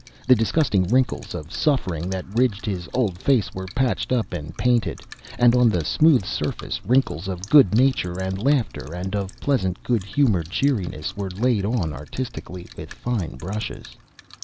The disgusting wrinkles of suffering that ridged his old face were patched up and painted, and on the smooth surface, wrinkles of good nature and laughter, and of pleasant, good humoured cheeriness, were laid on artistically with fine brushes.